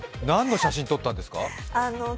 何の写真撮ったんですか？